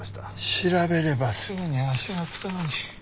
調べればすぐに足が付くのに。